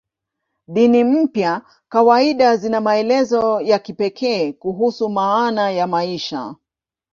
Dini mpya kawaida zina maelezo ya kipekee kuhusu maana ya maisha.